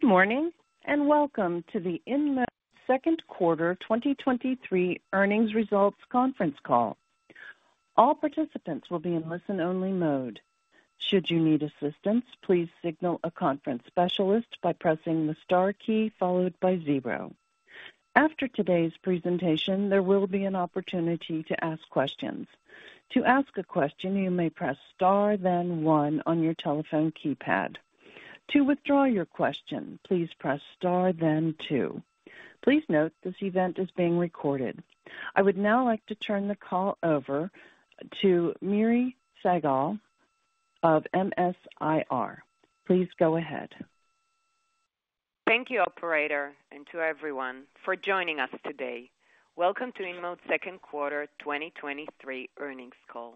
Good morning, welcome to the InMode Second Quarter 2023 Earnings Results Conference Call. All participants will be in listen-only mode. Should you need assistance, please signal a conference specialist by pressing the star key followed by zero. After today's presentation, there will be an opportunity to ask questions. To ask a question, you may press star, then one on your telephone keypad. To withdraw your question, please press star then two. Please note, this event is being recorded. I would now like to turn the call over to Miri Segal of MS-IR. Please go ahead. Thank you operator and to everyone for joining us today. Welcome to InMode's second quarter 2023 earnings call.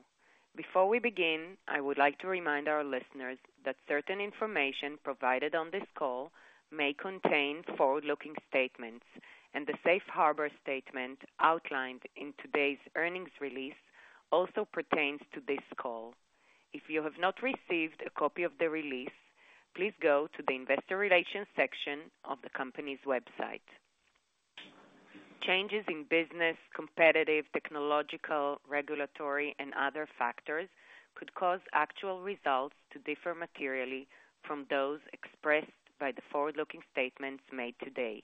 Before we begin, I would like to remind our listeners that certain information provided on this call may contain forward-looking statements. The safe harbor statement outlined in today's earnings release also pertains to this call. If you have not received a copy of the release, please go to the investor relations section of the company's website. Changes in business, competitive, technological, regulatory, and other factors could cause actual results to differ materially from those expressed by the forward-looking statements made today.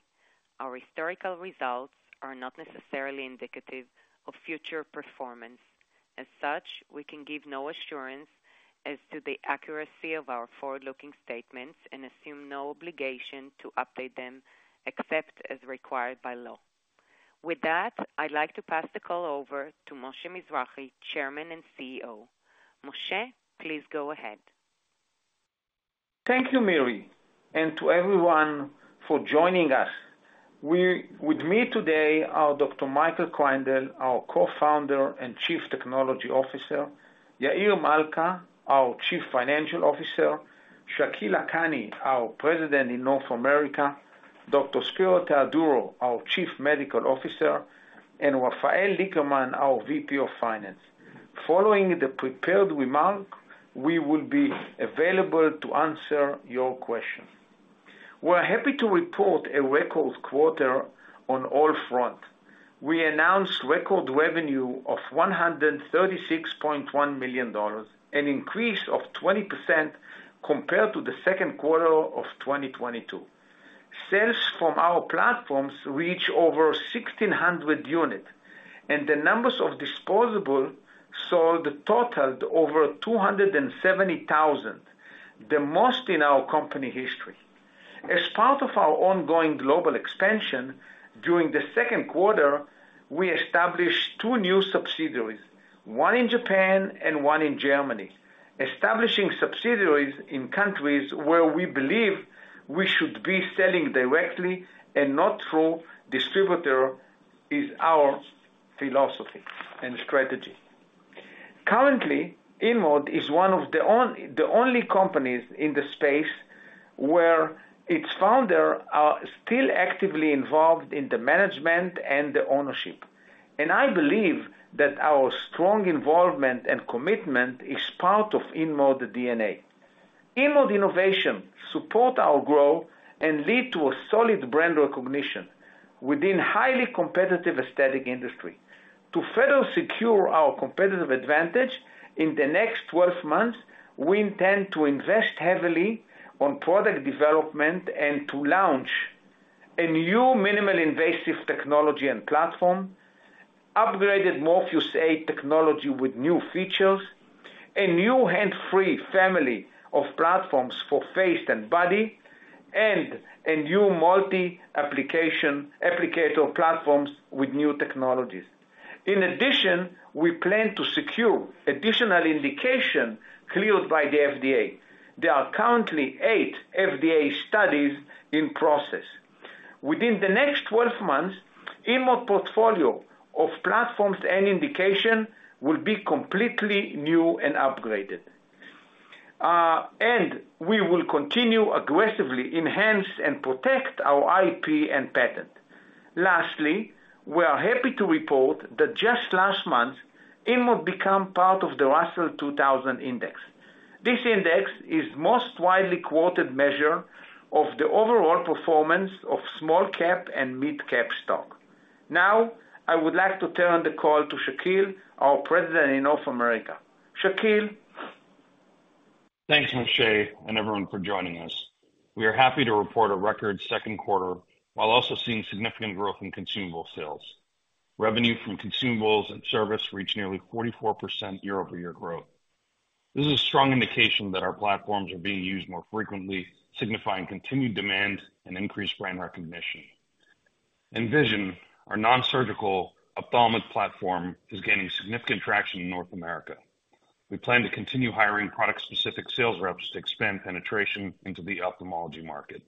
Our historical results are not necessarily indicative of future performance. As such, we can give no assurance as to the accuracy of our forward-looking statements and assume no obligation to update them, except as required by law. With that, I'd like to pass the call over to Moshe Mizrahy, Chairman and CEO. Moshe, please go ahead. Thank youMiri and to everyone for joining us. With me today are Dr. Michael Kreindel, our Co-Founder and Chief Technology Officer, Yair Malca, our Chief Financial Officer, Shakil Lakhani, our President in North America, Dr. Spero Theodorou, our Chief Medical Officer, and Rafael Lickerman, our VP of Finance. Following the prepared remark, we will be available to answer your question. We're happy to report a record quarter on all front. We announced record revenue of $136.1 million, an increase of 20% compared to the second quarter of 2022. Sales from our platforms reach over 1,600 units and the numbers of disposable sold totaled over 270,000, the most in our company history. As part of our ongoing global expansion, during the second quarter, we established two new subsidiaries one in Japan and one in Germany. Establishing subsidiaries in countries where we believe we should be selling directly and not through distributor, is our philosophy and strategy. Currently, InMode is one of the only companies in the space where its founder are still actively involved in the management and the ownership. I believe that our strong involvement and commitment is part of InMode DNA. InMode innovation support our growth and lead to a solid brand recognition within highly competitive aesthetic industry. To further secure our competitive advantage, in the next 12 months, we intend to invest heavily on product development and to launch a new minimal invasive technology and platform, upgraded Morpheus8 technology with new features, a new hands-free family of platforms for face and body and a new multi-application applicator platforms with new technologies. In addition, we plan to secure additional indication cleared by the FDA. There are currently eight FDA studies in process. Within the next 12 months, InMode portfolio of platforms and indication will be completely new and upgraded. We will continue aggressively enhance and protect our IP and patent. Lastly, we are happy to report that just last month, InMode become part of the Russell 2000 Index. This index is most widely quoted measure of the overall performance of small cap and mid cap stock. Now, I would like to turn the call to Shakil, our President in North America. Shakil? Thanks Moshe and everyone for joining us. We are happy to report a record second quarter, while also seeing significant growth in consumable sales. Revenue from consumables and service reached nearly 44% year-over-year growth. This is a strong indication that our platforms are being used more frequently, signifying continued demand and increased brand recognition. Envision, our non-surgical ophthalmic platform, is gaining significant traction in North America. We plan to continue hiring product-specific sales reps to expand penetration into the ophthalmology market.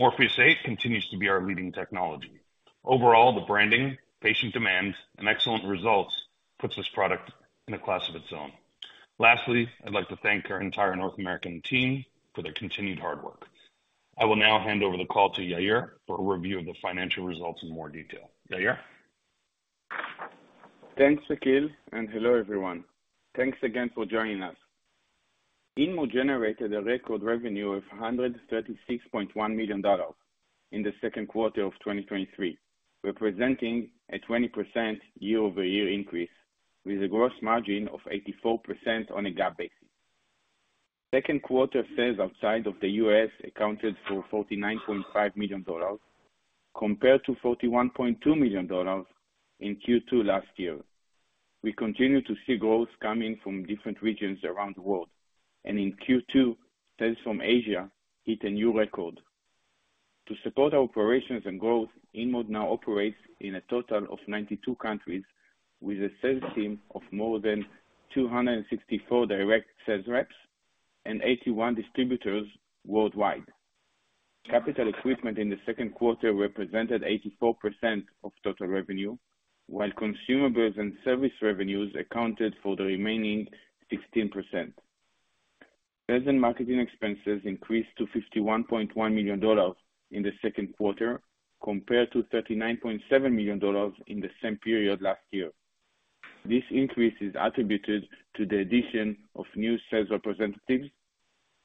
Morpheus8 continues to be our leading technology. Overall, the branding, patient demand, and excellent results puts this product in a class of its own. Lastly, I'd like to thank our entire North American team for their continued hard work. I will now hand over the call to Yair for a review of the financial results in more detail. Yair? Thanks Shakil and hello everyone, thanks again for joining us. InMode generated a record revenue of $136.1 million in the second quarter of 2023, representing a 20% year-over-year increase, with a gross margin of 84% on a GAAP basis. Second quarter sales outside of the U.S. accounted for $49.5 million, compared to $41.2 million in Q2 last year. We continue to see growth coming from different regions around the world. In Q2, sales from Asia hit a new record. To support our operations and growth, InMode now operates in a total of 92 countries with a sales team of more than 264 direct sales reps and 81 distributors worldwide. Capital equipment in the second quarter represented 84% of total revenue, while consumables and service revenues accounted for the remaining 16%. Sales and marketing expenses increased to $51.1 million in the second quarter, compared to $39.7 million in the same period last year. This increase is attributed to the addition of new sales representatives,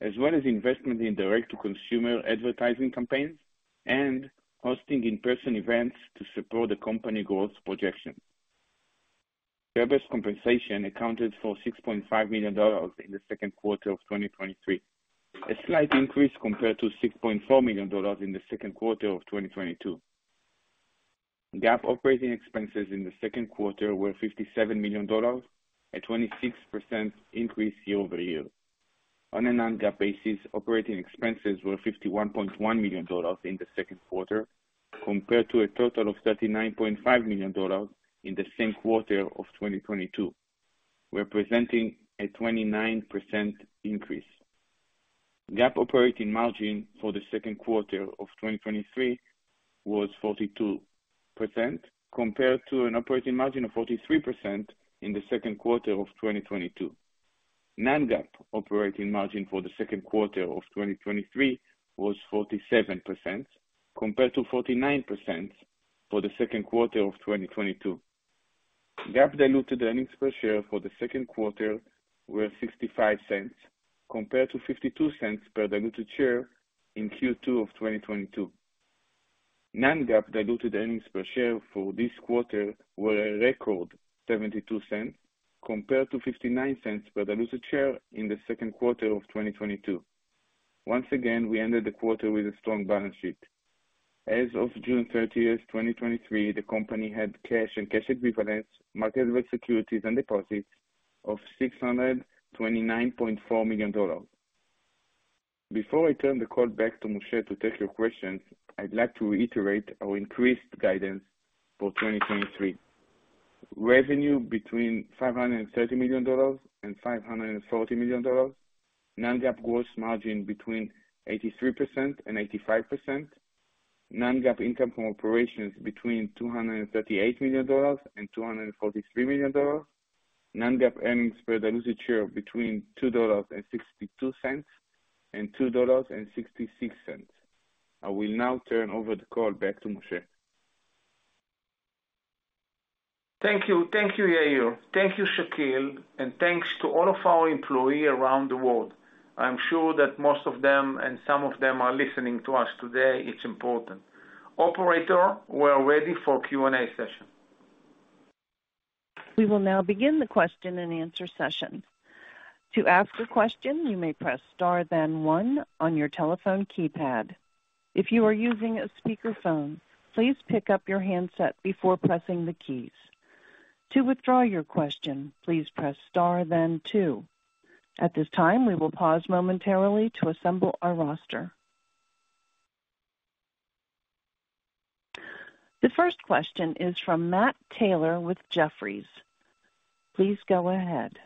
as well as investment in direct-to-consumer advertising campaigns and hosting in-person events to support the company growth projections. Share-based compensation accounted for $6.5 million in the second quarter of 2023, a slight increase compared to $6.4 million in the second quarter of 2022. GAAP operating expenses in the second quarter were $57 million, a 26% increase year-over-year. On a non-GAAP basis, operating expenses were $51.1 million in the second quarter, compared to a total of $39.5 million in the same quarter of 2022, representing a 29% increase. GAAP operating margin for the second quarter of 2023 was 42%, compared to an operating margin of 43% in the second quarter of 2022. Non-GAAP operating margin for the second quarter of 2023 was 47%, compared to 49% for the second quarter of 2022. GAAP diluted earnings per share for the second quarter were $0.65, compared to $0.52 per diluted share in Q2 of 2022. Non-GAAP diluted earnings per share for this quarter were a record $0.72, compared to $0.59 per diluted share in the second quarter of 2022. Once again, we ended the quarter with a strong balance sheet. As of June 30th, 2023, the company had cash and cash equivalents, marketable securities and deposits of $629.4 million. Before I turn the call back to Moshe to take your questions, I'd like to reiterate our increased guidance for 2023. Revenue between $530 million-$540 million. Non-GAAP gross margin between 83%-85%. Non-GAAP income from operations between $238 million-$243 million. Non-GAAP earnings per diluted share between $2.62-$2.66. I will now turn over the call back to Moshe. Thank you. Thank you Yair. Thank you Shakil and thanks to all of our employee around the world. I'm sure that most of them and some of them are listening to us today. It's important. Operator, we're ready for Q&A session. We will now begin the question and answer session. To ask a question, you may press star then one on your telephone keypad. If you are using a speakerphone, please pick up your handset before pressing the keys. To withdraw your question, please press star then two. At this time, we will pause momentarily to assemble our roster. The first question is from Matt Taylor with Jefferies. Please go ahead.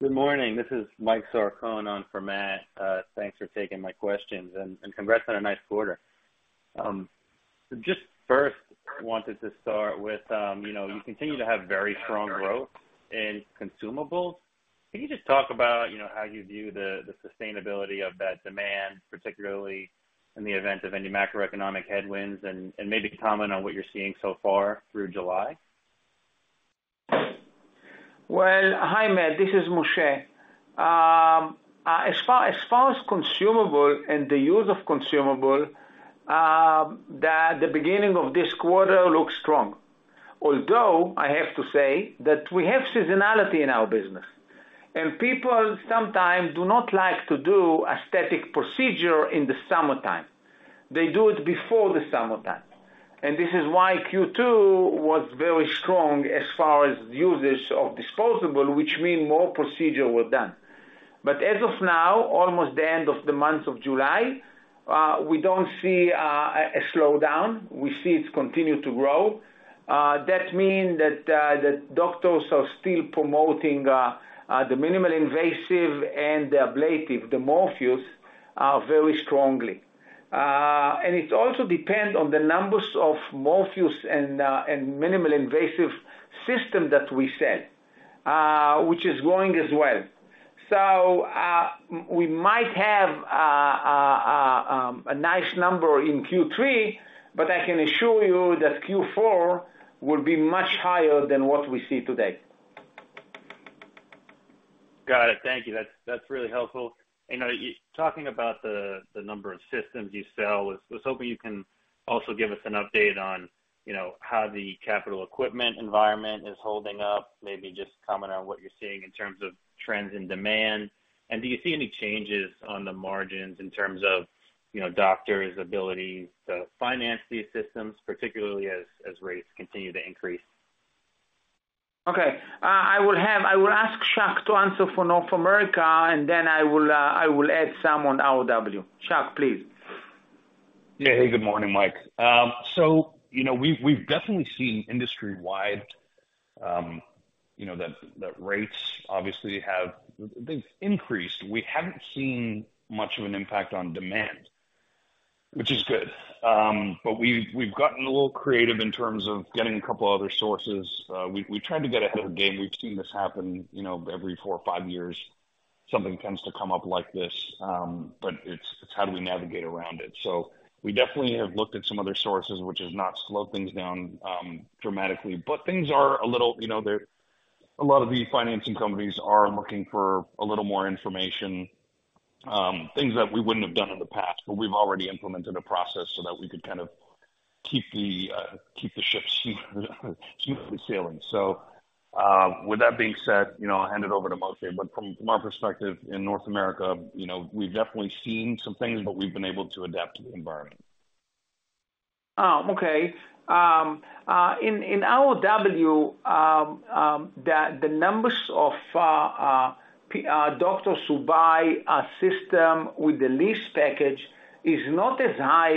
Good morning. This is Mike Sarcone on for Matt Taylor. Thanks for taking my questions and congrats on a nice quarter. Just first wanted to start with, you know, you continue to have very strong growth in consumables. Can you just talk about, you know, how you view the, the sustainability of that demand, particularly in the event of any macroeconomic headwinds, and maybe comment on what you're seeing so far through July? Well, hi Matt, this is Moshe. As far as consumable and the use of consumable, the beginning of this quarter looks strong. I have to say that we have seasonality in our business, and people sometimes do not like to do aesthetic procedure in the summertime. They do it before the summertime, this is why Q2 was very strong as far as users of disposable, which mean more procedure were done. As of now, almost the end of the month of July, we don't see a slowdown, we see it continue to grow. That mean that the doctors are still promoting the minimal invasive and the ablative, the Morpheus, very strongly. It also depend on the numbers of Morpheus and minimal invasive system that we sell, which is growing as well. We might have a nice number in Q3, but I can assure you that Q4 will be much higher than what we see today. Got it, thank you that's really helpful. You know, talking about the number of systems you sell, I was hoping you can also give us an update on, you know, how the capital equipment environment is holding up, maybe just comment on what you're seeing in terms of trends and demand. Do you see any changes on the margins in terms of, you know, doctors' ability to finance these systems, particularly as rates continue to increase? Okay. I will ask Shakil to answer for North America, and then I will add some on OW. Shakil, please. Yeah. Hey, good morning Mike. You know, we've definitely seen industry-wide, you know, that, that rates obviously they've increased. We haven't seen much of an impact on demand, which is good. We've gotten a little creative in terms of getting a couple of other sources. We tried to get ahead of the game. We've seen this happen, you know, every four or five years, something tends to come up like this, but it's how do we navigate around it? We definitely have looked at some other sources, which has not slowed things down dramatically. Things are a little, you know, a lot of the financing companies are looking for a little more information, things that we wouldn't have done in the past, but we've already implemented a process so that we could kind of keep the ship sailing. With that being said, you know, I'll hand it over to Moshe. From our perspective in North America, you know, we've definitely seen some things, but we've been able to adapt to the environment. Okay. In OW, the numbers of doctors who buy a system with the lease package is not as high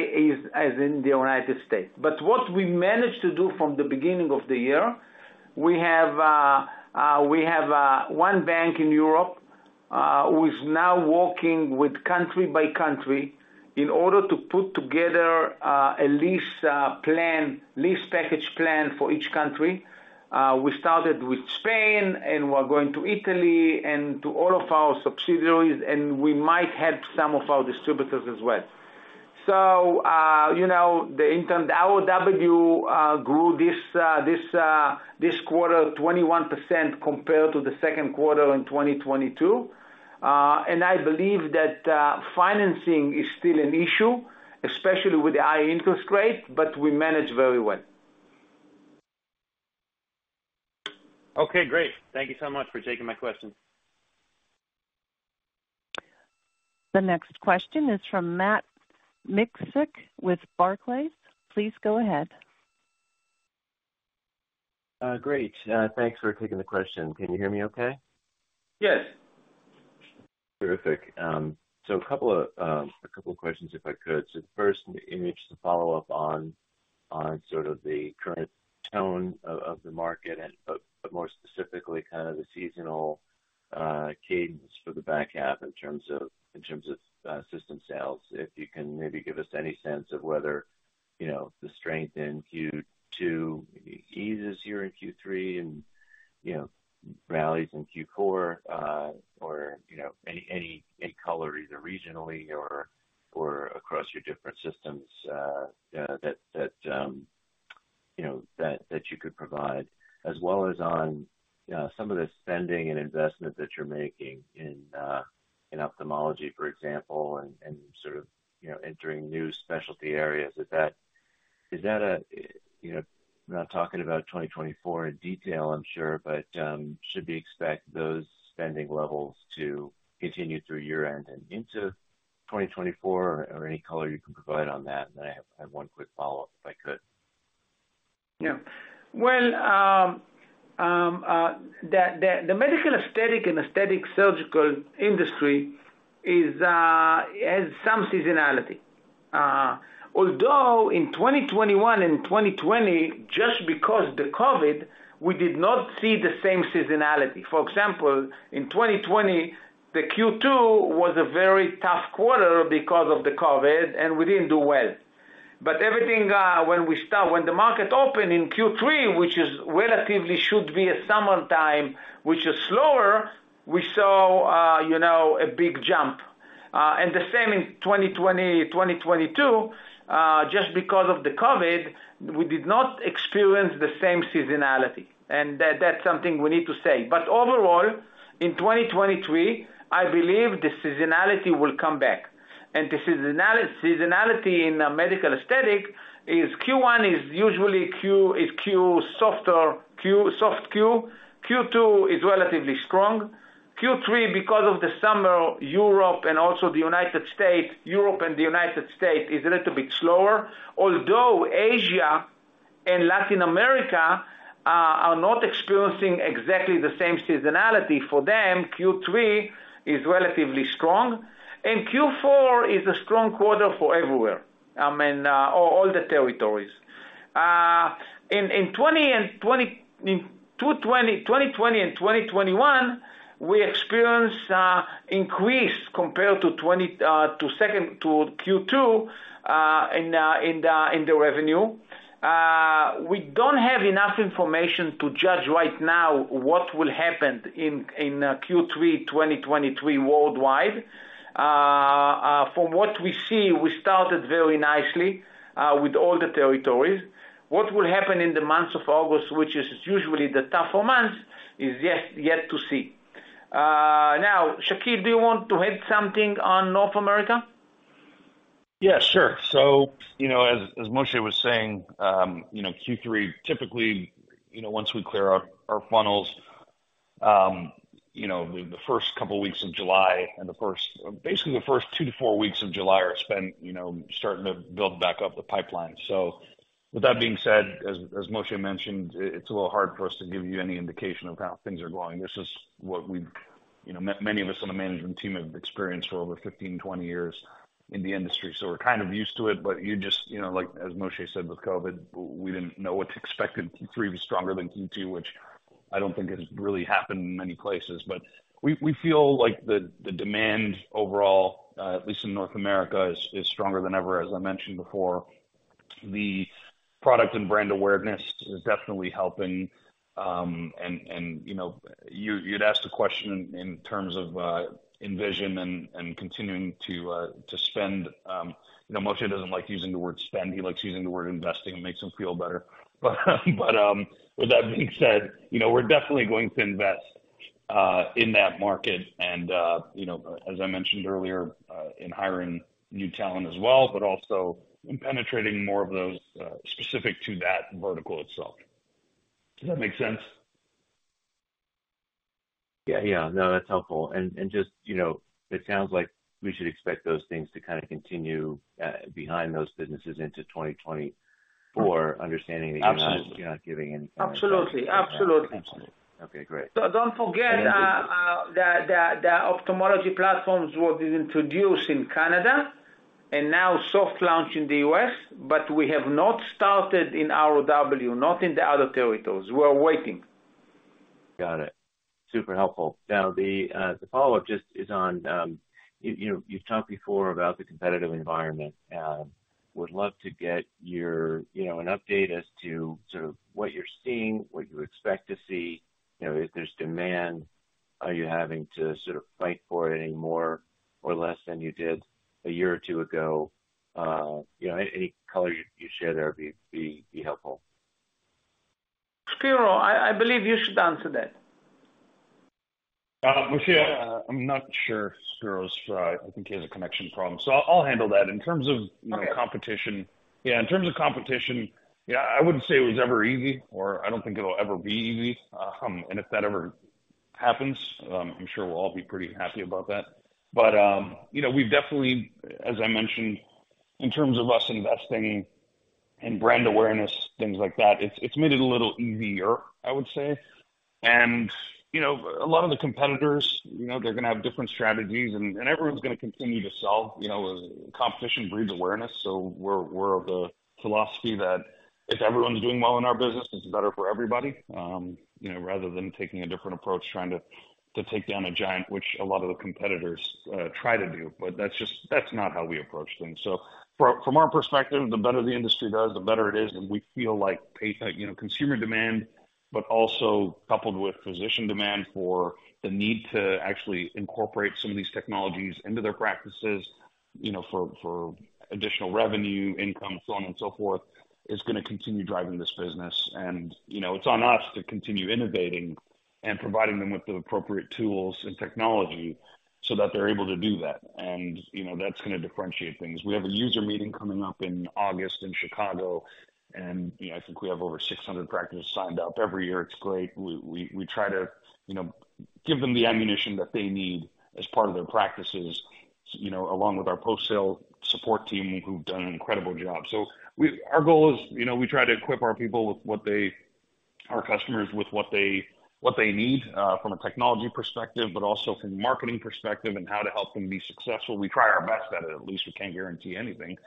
as in the United States. What we managed to do from the beginning of the year, we have one bank in Europe who is now working with country by country in order to put together a lease plan, lease package plan for each country. We started with Spain and we're going to Italy and to all of our subsidiaries, and we might help some of our distributors as well. You know, OW grew this quarter 21% compared to the second quarter in 2022. I believe that financing is still an issue, especially with the high interest rate, but we manage very well. Okay, great. Thank you so much for taking my question. The next question is from Matt Miksic with Barclays. Please go ahead. Great, thanks for taking the question. Can you hear me okay? Yes. Terrific. A couple of questions, if I could. First, I'm interested to follow up on sort of the current tone of the market, but more specifically, kind of the seasonal cadence for the back half in terms of system sales. If you can maybe give us any sense of whether, you know, the strength in Q2 eases here in Q3 and, you know, rallies in Q4, or, you know, any color, either regionally or across your different systems that you could provide. As well as on some of the spending and investment that you're making in ophthalmology, for example, and sort of, you know, entering new specialty areas. Is that a, you know, I'm not talking about 2024 in detail I'm sure, but should we expect those spending levels to continue through year-end and into 2024, or any color you can provide on that? I have one quick follow-up, if I could. Yeah. Well, the medical aesthetic and aesthetic surgical industry has some seasonality. Although in 2021 and 2020, just because the COVID, we did not see the same seasonality. For example, in 2020, the Q2 was a very tough quarter because of the COVID, and we didn't do well. Everything, when the market opened in Q3, which is relatively should be a summertime, which is slower, we saw, you know, a big jump. The same in 2020, 2022, just because of the COVID, we did not experience the same seasonality, and that's something we need to say. Overall, in 2023, I believe the seasonality will come back. The seasonality in medical aesthetic is Q1 is usually soft Q—Q2 is relatively strong. Q3, because of the summer, Europe and also the United States, is a little bit slower. Although Asia and Latin America are not experiencing exactly the same seasonality. For them, Q3 is relatively strong, and Q4 is a strong quarter for everywhere, I mean, all the territories. In 2020 and 2021, we experienced increase compared to Q2 in the revenue. We don't have enough information to judge right now what will happen in Q3, 2023 worldwide. From what we see, we started very nicely with all the territories. What will happen in the months of August, which is usually the tougher month, is yet to see. Now, Shakil Lakhani, do you want to add something on North America? Yeah, sure. You know, as Moshe was saying, you know, Q3, typically, you know, once we clear our funnels, you know, the first couple of weeks of July and basically, the first two-four weeks of July are spent, you know, starting to build back up the pipeline. With that being said, as Moshe mentioned, it's a little hard for us to give you any indication of how things are going. This is what we've, you know, many of us on the management team have experienced for over 15, 20 years in the industry, so we're kind of used to it. You just, you know, like, as Moshe said, with COVID, we didn't know what to expect, and Q3 was stronger than Q2, which I don't think it has really happened in many places. We feel like the demand overall, at least in North America, is stronger than ever. As I mentioned before, the product and brand awareness is definitely helping. You know, you'd asked a question in terms of Envision and continuing to spend, you know, Moshe doesn't like using the word spend. He likes using the word investing. It makes him feel better. With that being said, you know, we're definitely going to invest in that market and, you know, as I mentioned earlier, in hiring new talent as well, but also in penetrating more of those specific to that vertical itself. Does that make sense? Yeah. No, that's helpful. Just you know, it sounds like we should expect those things to kind of continue behind those businesses into 2024, understanding that. Absolutely. You're not giving any— Absolutely. Absolutely. Okay, great. Don't forget, the ophthalmology platforms were introduced in Canada and now soft launch in the U.S., but we have not started in ROW, not in the other territories. We're waiting. Got it, super helpful. Now, the follow-up just is on, you know, you've talked before about the competitive environment, would love to get your, you know, an update as to sort of what you're seeing? What you expect to see, you know, if there's demand, are you having to sort of fight for it anymore or less than you did a year or two ago? You know, any color you share there would be helpful. Spero, I believe you should answer that. Moshe, I'm not sure if Spero is—I think he has a connection problem, so I'll handle that. In terms of, you know, competition— Okay. Yeah, in terms of competition, yeah, I wouldn't say it was ever easy, or I don't think it'll ever be easy. If that ever happens, I'm sure we'll all be pretty happy about that. You know, we've definitely, as I mentioned, in terms of us investing in brand awareness, things like that, it's, it's made it a little easier, I would say. You know, a lot of the competitors, you know, they're going to have different strategies and, and everyone's going to continue to sell. You know, competition breeds awareness, so we're of the philosophy that if everyone's doing well in our business, it's better for everybody, you know, rather than taking a different approach, trying to take down a giant, which a lot of the competitors, try to do. That's not how we approach things. From our perspective, the better the industry does, the better it is. We feel like you know, consumer demand, but also coupled with physician demand for the need to actually incorporate some of these technologies into their practices, you know, for, for additional revenue, income, so on and so forth, is gonna continue driving this business. You know, it's on us to continue innovating and providing them with the appropriate tools and technology so that they're able to do that. You know, that's gonna differentiate things. We have a user meeting coming up in August in Chicago. You know, I think we have over 600 practices signed up. Every year, it's great. We try to, you know, give them the ammunition that they need as part of their practices, you know, along with our post-sale support team, who've done an incredible job. Our goal is, you know, we try to equip our people with what they. Our customers with what they need from a technology perspective, but also from a marketing perspective and how to help them be successful. We try our best at it, at least. We can't guarantee anything.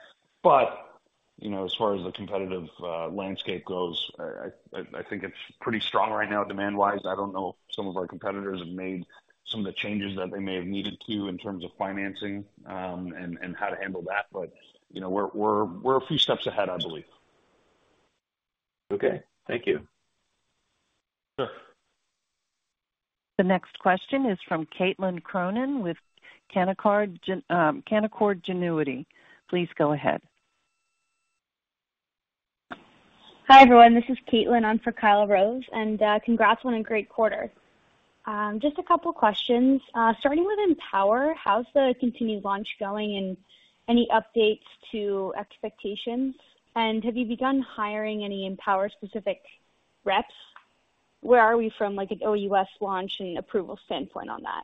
you know, as far as the competitive landscape goes, I think it's pretty strong right now, demand-wise. I don't know if some of our competitors have made some of the changes that they may have needed to in terms of financing, and how to handle that, you know, we're a few steps ahead, I believe. Okay, thank you. Sure. The next question is from Caitlin Cronin with Canaccord Genuity. Please go ahead. Hi, everyone. This is Caitlin for Kyle Rose. Congrats on a great quarter. Just a couple questions. Starting with EmpowerRF, how's the continued launch going, and any updates to expectations? Have you begun hiring any EmpowerRF-specific reps? Where are we from an OUS launch and approval standpoint on that?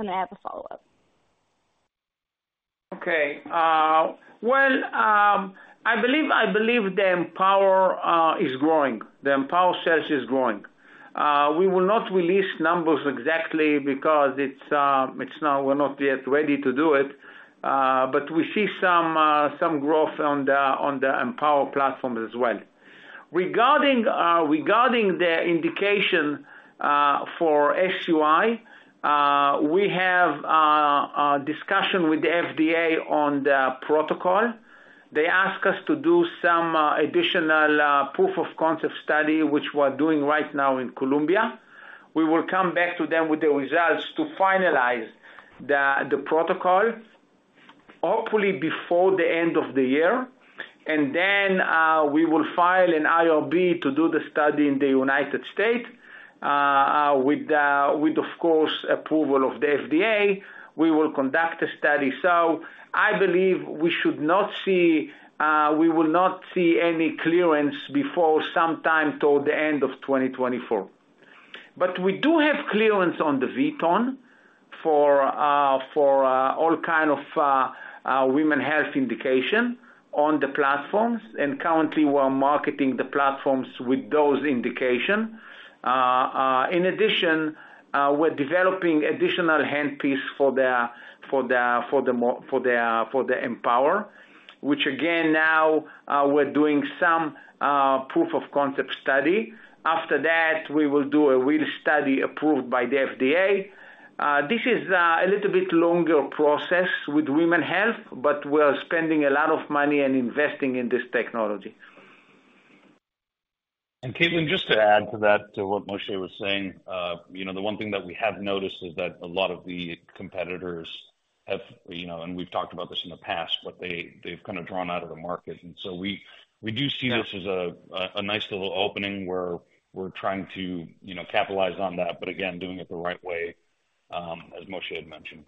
I have a follow-up. Okay. Well, I believe the EmpowerRF is growing. The EmpowerRF sales is growing. We will not release numbers exactly because it's, it's not, we're not yet ready to do it, but we see some growth on the EmpowerRF platform as well. Regarding the indication for SUI, we have discussion with the FDA on the protocol. They ask us to do some additional proof of concept study, which we're doing right now in Colombia. We will come back to them with the results to finalize the protocol, hopefully before the end of the year, and then we will file an IRB to do the study in the United States with of course, approval of the FDA, we will conduct a study. I believe we should not see, we will not see any clearance before sometime toward the end of 2024. We do have clearance on the VTone for all kind of women health indication on the platforms, and currently we're marketing the platforms with those indication. In addition, we're developing additional handpiece for the EmpowerRF, which again, now, we're doing some proof of concept study. After that, we will do a real study approved by the FDA. This is a little bit longer process with women health, we're spending a lot of money and investing in this technology. Caitlin, just to add to that, to what Moshe was saying, you know, the one thing that we have noticed is that a lot of the competitors have, you know, and we've talked about this in the past, but they've kind of drawn out of the market. We do see this as a nice little opening where we're trying to, you know, capitalize on that, but again, doing it the right way, as Moshe had mentioned.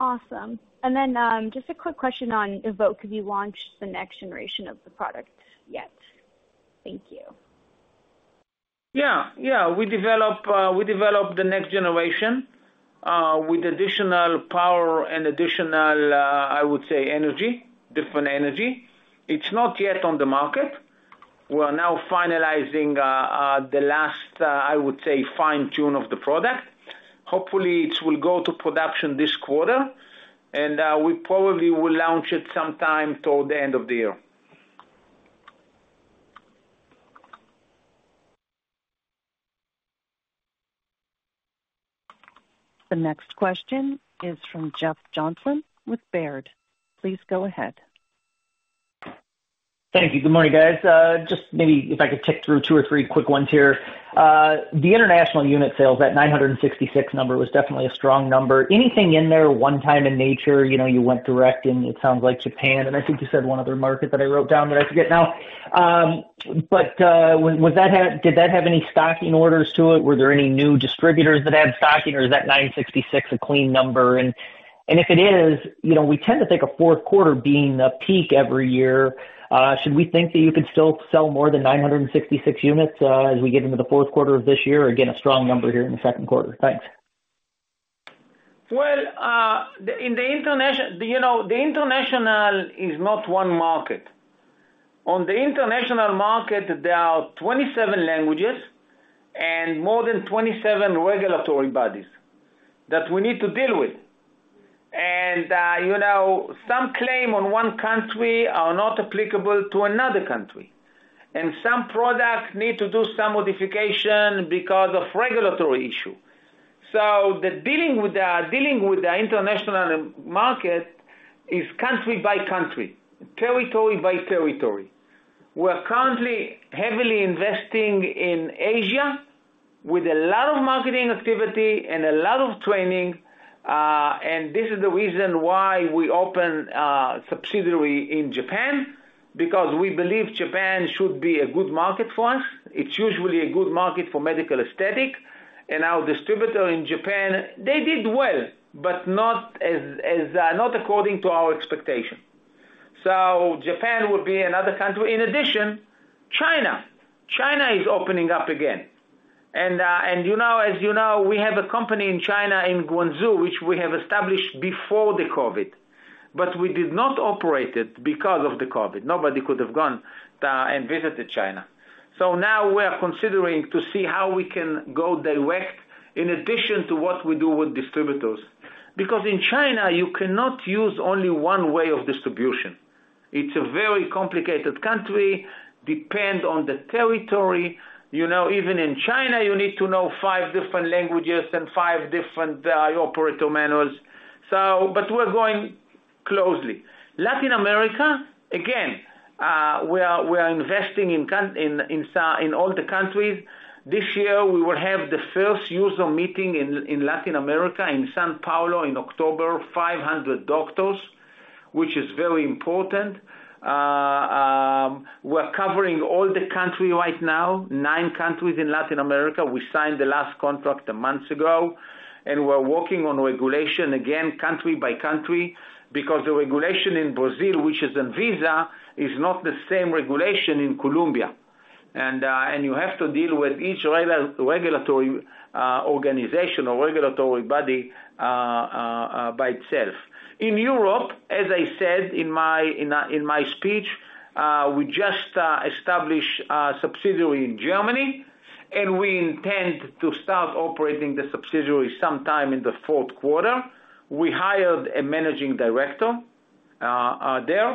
Awesome. Then, just a quick question on Evoke. Have you launched the next generation of the product yet? Thank you. Yeah. We developed the next generation with additional power and additional, I would say, energy, different energy. It's not yet on the market. We are now finalizing, the last, I would say, fine-tune of the product. Hopefully, it will go to production this quarter and we probably will launch it sometime toward the end of the year. The next question is from Jeff Johnson with Baird. Please go ahead. Thank you. Good morning guys. Just maybe if I could tick through two or three quick ones here. The international unit sales, that 966 number was definitely a strong number. Anything in there, one time in nature, you know, you went direct, and it sounds like Japan, and I think you said one other market that I wrote down, but I forget now. Did that have any stocking orders to it? Were there any new distributors that had stocking, or is that 966 a clean number? If it is, you know, we tend to think of fourth quarter being the peak every year, should we think that you could still sell more than 966 units as we get into the fourth quarter of this year? Again, a strong number here in the second quarter. Thanks. Well, you know, the international is not one market. On the international market, there are 27 languages and more than 27 regulatory bodies that we need to deal with. You know, some claim on one country are not applicable to another country, and some products need to do some modification because of regulatory issue. Dealing with the international market is country by country, territory by territory. We're currently heavily investing in Asia with a lot of marketing activity and a lot of training, and this is the reason why we opened a subsidiary in Japan, because we believe Japan should be a good market for us. It's usually a good market for medical aesthetic, and our distributor in Japan, they did well, but not as not according to our expectation. Japan would be another country. In addition, China. China is opening up again, as you know, we have a company in China, in Guangzhou, which we have established before the COVID, but we did not operate it because of the COVID. Nobody could have gone and visited China. Now we are considering to see how we can go direct in addition to what we do with distributors. In China, you cannot use only one way of distribution. It's a very complicated country, depend on the territory. You know, even in China, you need to know five different languages and five different operator manuals. We're going closely. Latin America, again, we are investing in all the countries. This year, we will have the first user meeting in Latin America, in São Paulo, in October, 500 doctors, which is very important. We're covering all the country right now, nine countries in Latin America. We signed the last contract a month ago, we're working on regulation, again, country by country, because the regulation in Brazil, which is Anvisa, is not the same regulation in Colombia. You have to deal with each regulatory organization or regulatory body by itself. In Europe, as I said in my speech, we just established a subsidiary in Germany, we intend to start operating the subsidiary sometime in the fourth quarter. We hired a managing director there,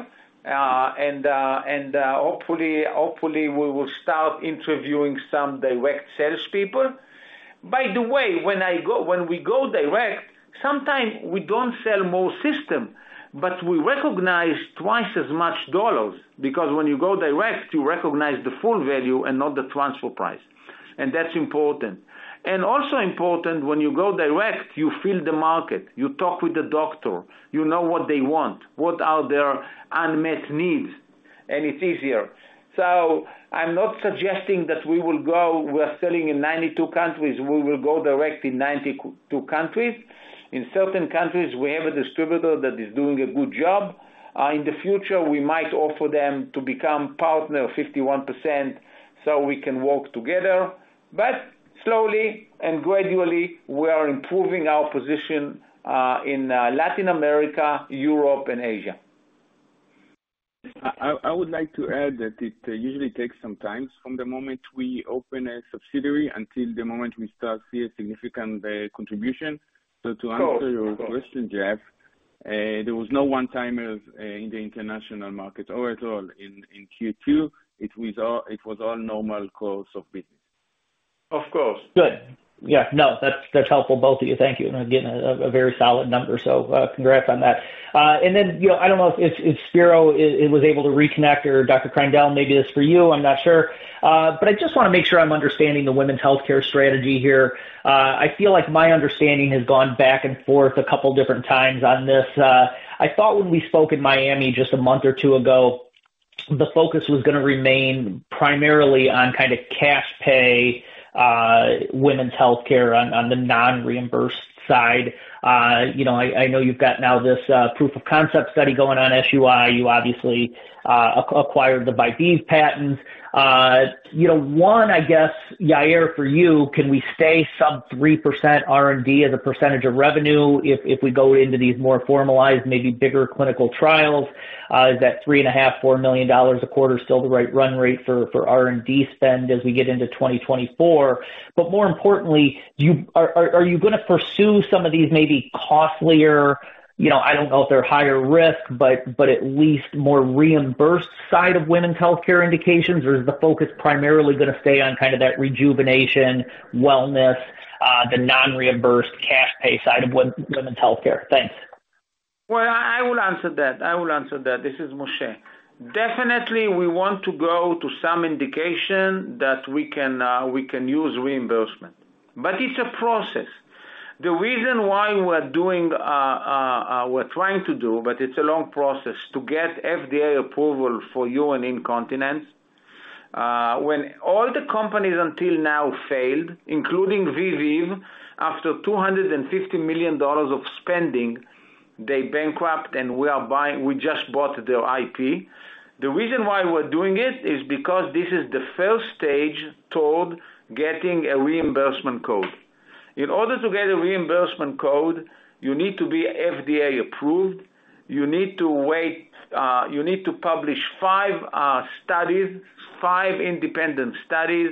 hopefully we will start interviewing some direct salespeople. By the way, when we go direct, sometimes we don't sell more system, but we recognize twice as much dollars, because when you go direct, you recognize the full value and not the transfer price, and that's important. Also important, when you go direct, you feel the market, you talk with the doctor, you know what they want, what are their unmet needs, and it's easier. I'm not suggesting that we will go, we are selling in 92 countries, we will go direct in 92 countries. In certain countries, we have a distributor that is doing a good job. In the future, we might offer them to become partner 51% so we can work together. Slowly and gradually, we are improving our position in Latin America, Europe, and Asia. I would like to add that it usually takes some time from the moment we open a subsidiary until the moment we start see a significant contribution. Of course. Your question Jeff, there was no one-timer in the international market or at all in Q2. It was all normal course of business. Of course. Good. Yeah no, that's helpful, both of you, thank you. Again, a very solid number, so congrats on that. You know, I don't know if Spero was able to reconnect or Dr. Kreindel, maybe this is for you, I'm not sure. I just wanna make sure I'm understanding the women's healthcare strategy here. I feel like my understanding has gone back and forth a couple different times on this. I thought when we spoke in Miami just a month or two ago, the focus was gonna remain primarily on kind of cash pay, women's healthcare on the non-reimbursed side. You know, I know you've got now this proof of concept study going on SUI. You obviously acquired the Viveve patents, you know, one, I guess, Yair, for you, can we stay sub 3% R&D as a percentage of revenue if we go into these more formalized, maybe bigger clinical trials? Is that $3.5 million-$4 million a quarter, still the right run rate for R&D spend as we get into 2024? More importantly, Are you gonna pursue some of these maybe costlier, you know, I don't know if they're higher risk, but at least more reimbursed side of women's healthcare indications, or is the focus primarily gonna stay on kind of that rejuvenation, wellness, the non-reimbursed cash pay side of women's healthcare? Thanks. Well, I will answer that, this is Moshe. Definitely, we want to go to some indication that we can use reimbursement, but it's a process. The reason why we're doing, we're trying to do, but it's a long process, to get FDA approval for urine incontinence, when all the companies until now failed, including Viveve, after $250 million of spending, they bankrupt, and we just bought their IP. The reason why we're doing it, is because this is the first stage toward getting a reimbursement code. In order to get a reimbursement code, you need to be FDA approved, you need to wait, you need to publish five studies, five independent studies,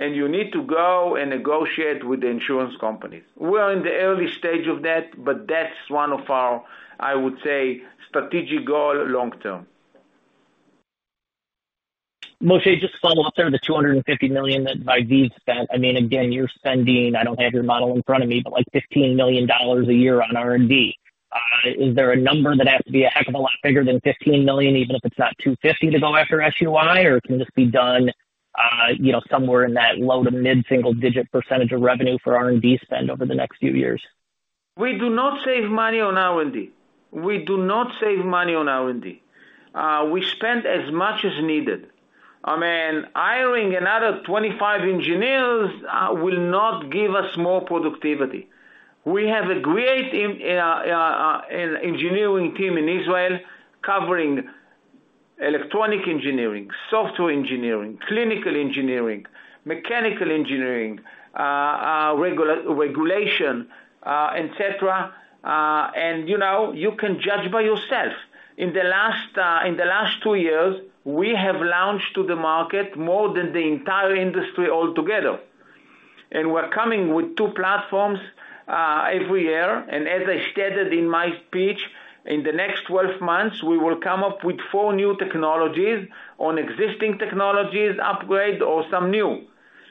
and you need to go and negotiate with the insurance companies. We are in the early stage of that, but that's one of our, I would say, strategic goal, long term. Moshe, just follow up there, the $250 million that Viveve spent. I mean, again, you're spending, I don't have your model in front of me, but like $15 million a year on R&D. Is there a number that has to be a heck of a lot bigger than $15 million, even if it's not $250 to go after SUI, or it can just be done, you know, somewhere in that low to mid single-digit percent of revenue for R&D spend over the next few years? We do not save money on R&D. We spend as much as needed. I mean, hiring another 25 engineers will not give us more productivity. We have a great engineering team in Israel, covering electronic engineering, software engineering, clinical engineering, mechanical engineering, regulation, etc.. You know, you can judge by yourself. In the last two years, we have launched to the market more than the entire industry altogether, and we're coming with two platforms every year. As I stated in my speech, in the next 12 months, we will come up with four new technologies on existing technologies, upgrade or some new,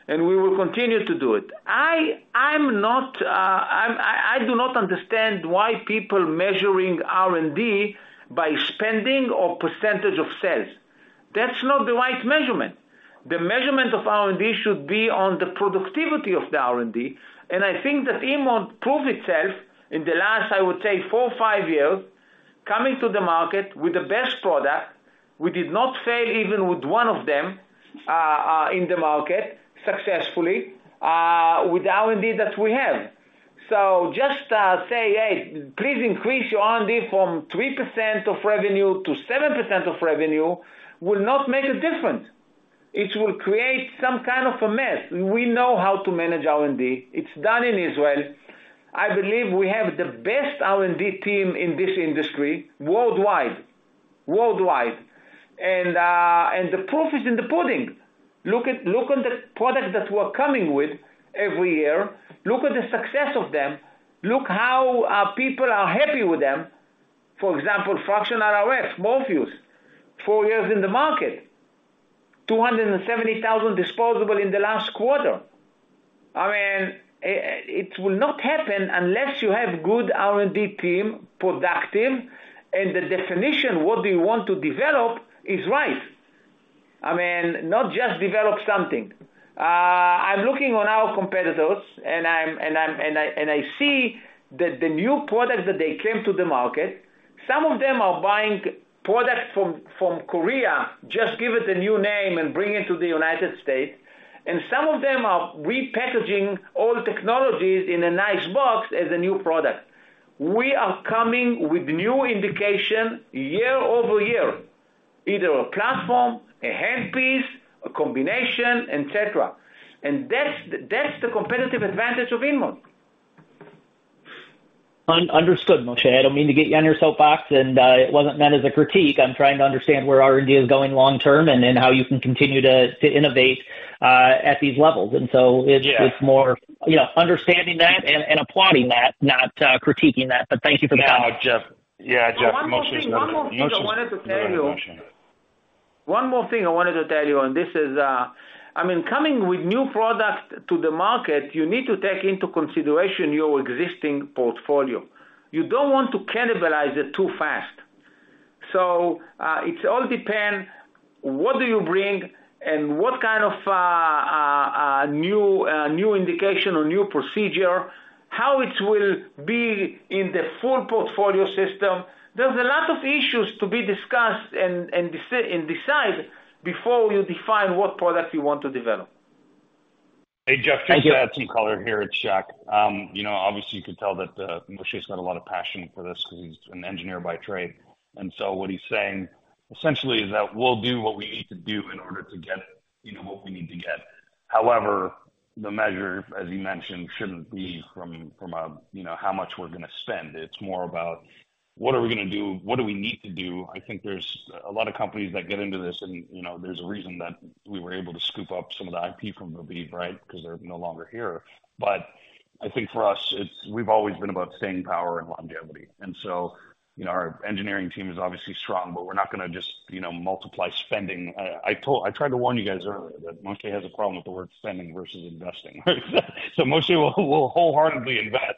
and we will continue to do it. I'm not—I do not understand why people measuring R&D by spending or percentage of sales. That's not the right measurement. The measurement of R&D should be on the productivity of the R&D, and I think that InMode proved itself in the last, I would say, four or five years, coming to the market with the best product. We did not fail, even with one of them, in the market successfully with the R&D that we have. Just say, "Hey, please increase your R&D from 3% of revenue to 7% of revenue," will not make a difference. It will create some kind of a mess. We know how to manage R&D. It's done in Israel. I believe we have the best R&D team in this industry, worldwide. Worldwide! The proof is in the pudding. Look at, look on the product that we're coming with every year. Look at the success of them. Look how our people are happy with them. For example, fractional RF, Morpheus, four years in the market, 270,000 disposable in the last quarter. I mean, it will not happen unless you have good R&D team, productive, and the definition, what we want to develop is right. I mean, not just develop something. I'm looking on our competitors, and I see that the new products that they came to the market, some of them are buying products from Korea, just give it a new name and bring it to the United States, and some of them are repackaging old technologies in a nice box as a new product. We are coming with new indication year-over-year, either a platform, a handpiece, a combination, etc. That's the competitive advantage of InMode. Understood, Moshe. I don't mean to get you on your soapbox, and it wasn't meant as a critique. I'm trying to understand where R&D is going long term, and then how you can continue to innovate at these levels. It's— Yeah. It's more, you know, understanding that and applauding that, not critiquing that. Thank you for the comment. Yeah, Jeff. Yeah, Jeff, Moshe— One more thing I wanted to tell you. Go ahead, Moshe. One more thing I wanted to tell you, this is, I mean, coming with new products to the market, you need to take into consideration your existing portfolio. You don't want to cannibalize it too fast. It all depend, what do you bring and what kind of a new new indication or new procedure, how it will be in the full portfolio system. There's a lot of issues to be discussed and decide before you define what product you want to develop. Hey Jeff, just to add some color here, it's Shack. You know, obviously, you could tell that Moshe's got a lot of passion for this because he's an engineer by trade. What he's saying, essentially, is that we'll do what we need to do in order to get, you know, what we need to get. However, the measure, as you mentioned, shouldn't be from a, you know, how much we're going to spend. It's more about what are we going to do? What do we need to do? I think there's a lot of companies that get into this and you know, there's a reason that we were able to scoop up some of the IP from Viveve, right? Because they're no longer here. I think for us, we've always been about staying power and longevity, and so, you know, our engineering team is obviously strong, but we're not going to just, you know, multiply spending. I tried to warn you guys earlier that Moshe has a problem with the word spending versus investing. Moshe will wholeheartedly invest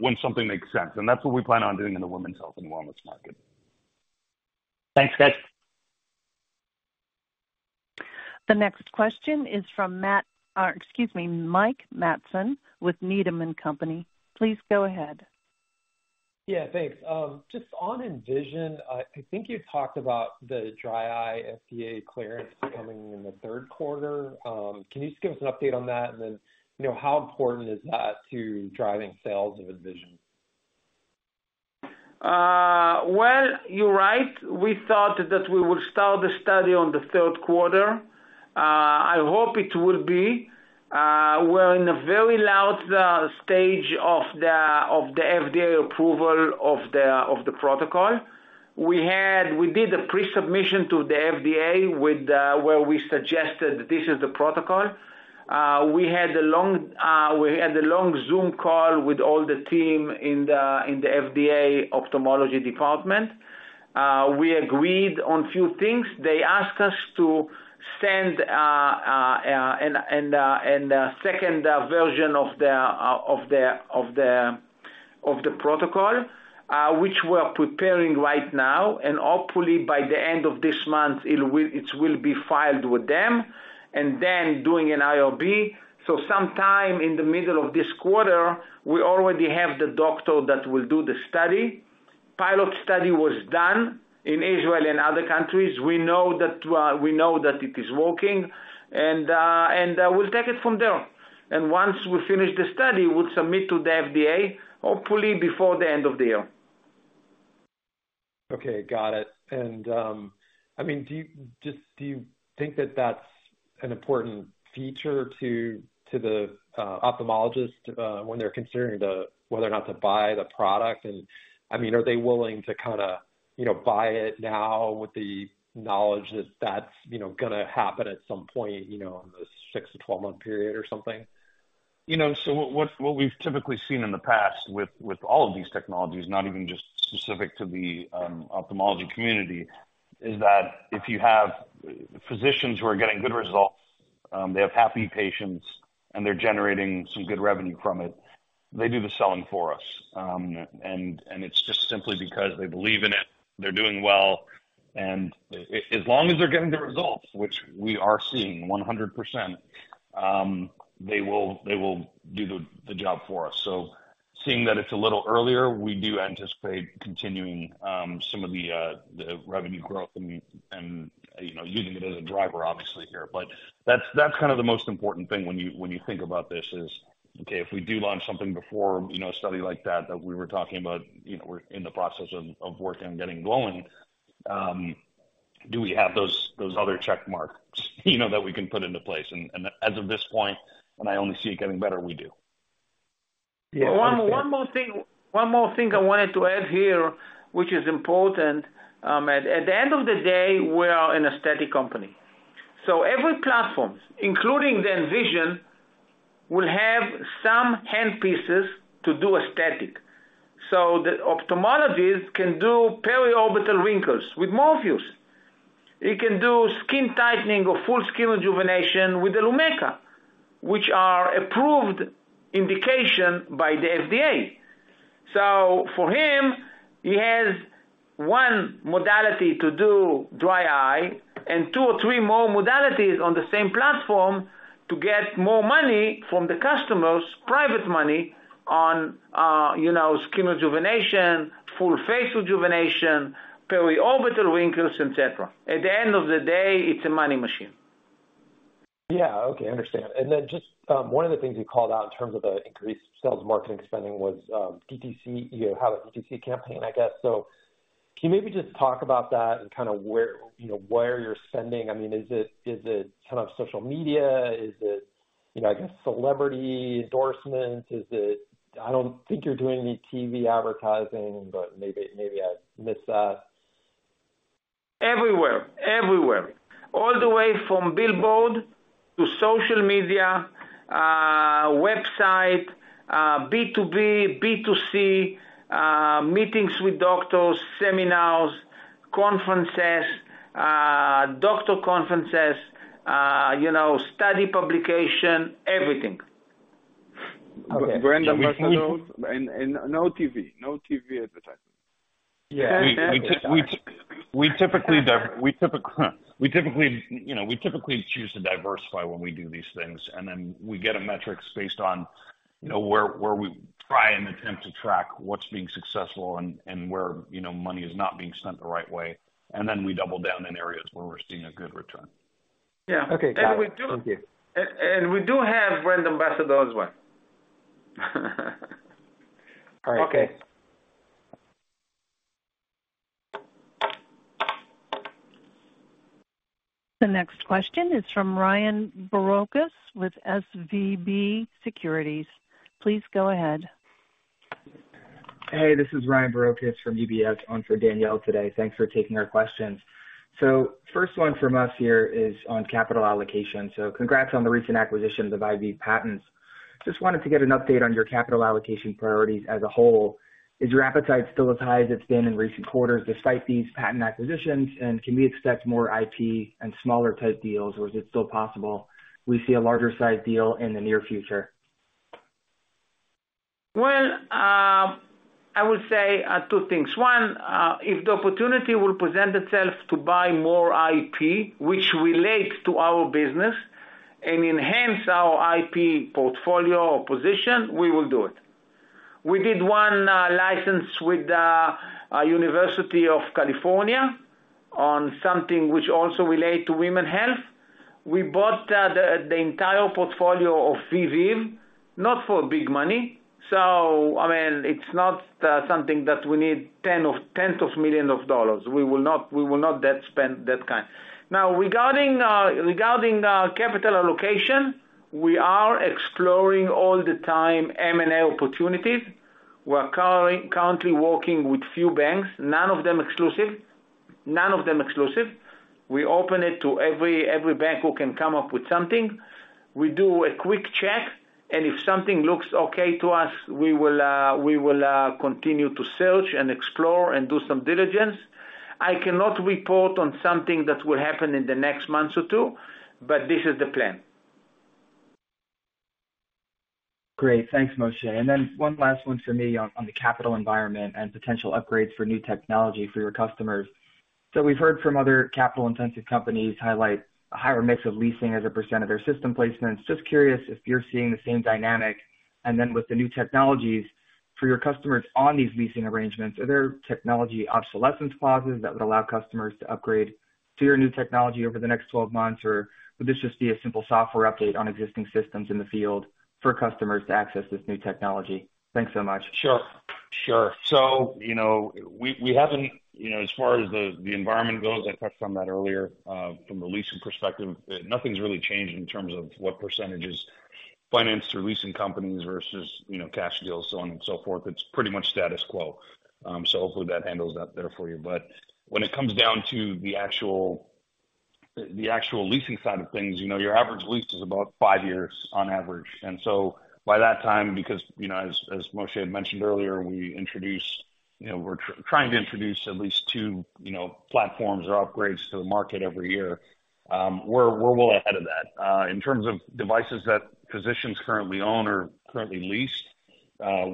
when something makes sense, and that's what we plan on doing in the women's health and wellness market. Thanks, guys. The next question is from Matt excuse me, Mike Matson with Needham & Company. Please go ahead. Yeah, thanks. Just on Envision, I think you talked about the dry eye FDA clearance coming in the third quarter. Can you just give us an update on that? You know, how important is that to driving sales of Envision? Well, you're right. We thought that we would start the study on the third quarter. I hope it will be. We're in a very loud stage of the FDA approval of the protocol. We did a pre-submission to the FDA, with where we suggested this is the protocol. We had a long, we had a long Zoom call with all the team in the FDA ophthalmology department. We agreed on a few things. They asked us to send and and a second version of the protocol, which we're preparing right now, and hopefully by the end of this month, it will be filed with them, and then doing an IRB. Sometime in the middle of this quarter, we already have the doctor that will do the study. Pilot study was done in Israel and other countries. We know that it is working, and we'll take it from there. Once we finish the study, we'll submit to the FDA, hopefully before the end of the year. Okay, got it. I mean, do you think that that's an important feature to the ophthalmologist when they're considering whether or not to buy the product? I mean, are they willing to kind of, you know, buy it now with the knowledge that that's, you know, going to happen at some point, you know, in the 6-12-month period or something? You know, so what we've typically seen in the past with all of these technologies, not even just specific to the ophthalmology community, is that if you have physicians who are getting good results, they have happy patients, and they're generating some good revenue from it, they do the selling for us. And it's just simply because they believe in it, they're doing well, as long as they're getting the results, which we are seeing 100%, they will do the job for us. Seeing that it's a little earlier, we do anticipate continuing some of the revenue growth and, you know, using it as a driver obviously here. That's kind of the most important thing when you, when you think about this is: okay, if we do launch something before, you know, a study like that, that we were talking about, you know, we're in the process of working on getting going, do we have those other check marks, you know, that we can put into place? As of this point, and I only see it getting better, we do. One more thing I wanted to add here, which is important, at the end of the day, we are an aesthetic company. Every platform, including the Envision, will have some hand pieces to do aesthetic. The ophthalmologist can do periorbital wrinkles with Morpheus. It can do skin tightening or full skin rejuvenation with Lumecca, which are approved indication by the FDA. For him, he has one modality to do dry eye and two or three more modalities on the same platform to get more money from the customers, private money, on, you know, skin rejuvenation, full face rejuvenation, periorbital wrinkles, etc.. At the end of the day, it's a money machine. Yeah. Okay, I understand. Then just, one of the things you called out in terms of the increased sales marketing spending was, DTC, you have a DTC campaign, I guess. Can you maybe just talk about that and kind of where, you know, where you're spending? I mean, is it kind of social media? Is it, you know, I guess, celebrity endorsements? Is it—I don't think you're doing any TV advertising, but maybe I missed that. Everywhere, everywhere. All the way from billboard to social media, website, B2B, B2C, meetings with doctors, seminars, conferences, doctor conferences, you know, study publication, everything. Okay. Brand ambassadors and no TV advertising. Yeah. We typically, you know, we typically choose to diversify when we do these things, and then we get a metrics based on, you know, where we try and attempt to track what's being successful and where, you know, money is not being spent the right way, and then we double down in areas where we're seeing a good return. Yeah. Okay, got it. Thank you. We do have brand ambassadors as well. All right. Okay. The next question is from Ryan Barokas with SVB Securities. Please go ahead. Hey, this is Ryan Barokas from UBS, on for Danielle today. Thanks for taking our questions. First one from us here is on capital allocation. Congrats on the recent acquisitions of IP patents. Just wanted to get an update on your capital allocation priorities as a whole. Is your appetite still as high as it's been in recent quarters, despite these patent acquisitions? Can we expect more IP and smaller type deals, or is it still possible we see a larger size deal in the near future? Well, I would say, two things. One, if the opportunity will present itself to buy more IP, which relates to our business and enhance our IP portfolio or position, we will do it. We did one license with the University of California on something which also relate to women health. We bought the entire portfolio of Viveve, not for big money. I mean, it's not something that we need tens of millions of dollars. We will not that spend that kind. Now, regarding capital allocation, we are exploring all the time M&A opportunities. We're currently working with few banks, none of them exclusive. We open it to every bank who can come up with something. We do a quick check, and if something looks okay to us, we will continue to search and explore and do some diligence. I cannot report on something that will happen in the next months or two, but this is the plan. Great, thanks Moshe. One last one for me on the capital environment and potential upgrades for new technology for your customers. We've heard from other capital-intensive companies highlight a higher mix of leasing as a percentof their system placements. Just curious if you're seeing the same dynamic. With the new technologies for your customers on these leasing arrangements, are there technology obsolescence clauses that would allow customers to upgrade to your new technology over the next 12 months? Or would this just be a simple software update on existing systems in the field for customers to access this new technology? Thanks so much. Sure. You know, we haven't, you know, as far as the, the environment goes, I touched on that earlier, from a leasing perspective, nothing's really changed in terms of what percentages, finance or leasing companies versus, you know, cash deals, so on and so forth. It's pretty much status quo. Hopefully that handles that there for you. When it comes down to the actual, the actual leasing side of things, you know, your average lease is about five years on average. By that time, because, you know, as, as Moshe mentioned earlier, we introduced, you know, we're trying to introduce at least two, you know, platforms or upgrades to the market every year. We're well ahead of that. In terms of devices that physicians currently own or currently leased,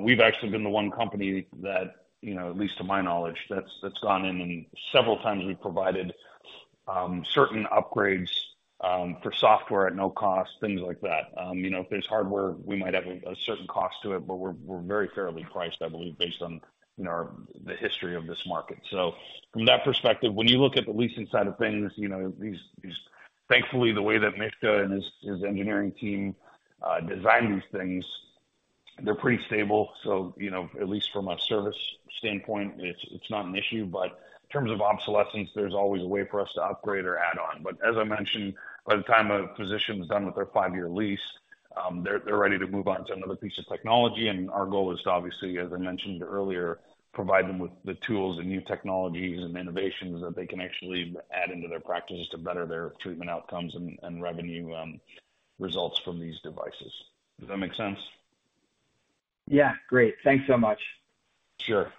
we've actually been the one company that, you know, at least to my knowledge, that's gone in and several times we've provided certain upgrades for software at no cost, things like that. You know, if there's hardware, we might have a certain cost to it, but we're very fairly priced, I believe, based on, you know, the history of this market. From that perspective, when you look at the leasing side of things, you know, these thankfully, the way that Mishka and his engineering team design these things, they're pretty stable. You know, at least from a service standpoint, it's not an issue. In terms of obsolescence, there's always a way for us to upgrade or add on. As I mentioned, by the time a physician is done with their five-year lease, they're ready to move on to another piece of technology. Our goal is to obviously, as I mentioned earlier, provide them with the tools and new technologies and innovations that they can actually add into their practices to better their treatment outcomes and revenue results from these devices. Does that make sense? Yeah, great. Thanks so much. Sure.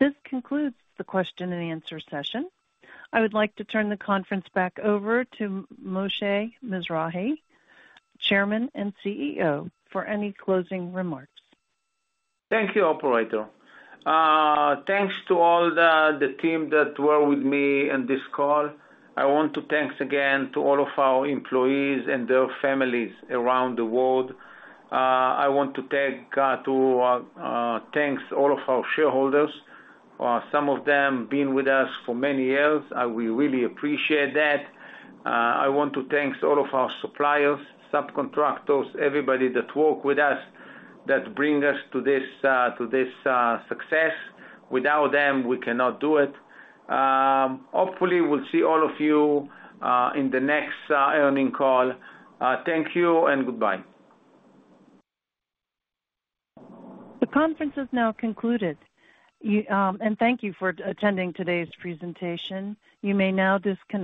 This concludes the question and answer session. I would like to turn the conference back over to Moshe Mizrahy, Chairman and CEO for any closing remarks. Thank you operator. Thanks to all the team that were with me in this call. I want to thanks again to all of our employees and their families around the world. I want to thanks all of our shareholders, some of them been with us for many years. We really appreciate that. I want to thanks all of our suppliers, subcontractors, everybody that work with us, that bring us to this success. Without them, we cannot do it. Hopefully, we'll see all of you in the next earning call. Thank you and goodbye. The conference is now concluded. Thank you for attending today's presentation. You may now disconnect.